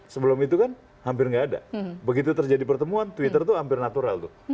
sebelum itu kan hampir nggak ada begitu terjadi pertemuan twitter itu hampir natural tuh